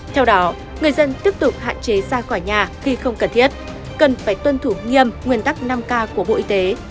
theo đó người dân tiếp tục hạn chế ra khỏi nhà khi không cần thiết cần phải tuân thủ nghiêm nguyên tắc năm k của bộ y tế